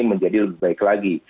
menjadi lebih baik lagi